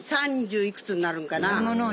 いくつになるんかな。